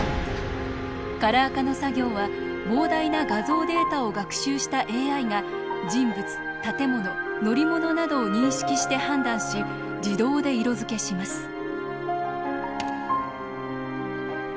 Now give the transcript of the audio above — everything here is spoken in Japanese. カラー化の作業は膨大な画像データを学習したＡＩが人物建物乗り物などを認識して判断し自動で色づけします。